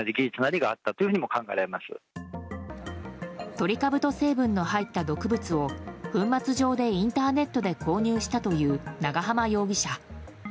トリカブト成分の入った毒物を粉末状でインターネットで購入したという長浜容疑者。